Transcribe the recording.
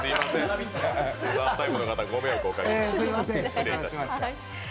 「ＴＨＥＴＩＭＥ，」の方、ご迷惑をおかけしました。